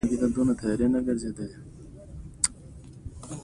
ژرنده که دې پلار ده هم په وار ده.